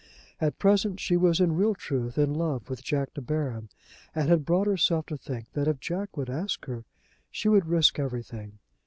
At present she was in real truth in love with Jack De Baron, and had brought herself to think that if Jack would ask her, she would risk everything.